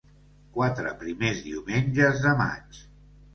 Quatre primers diumenges de maig.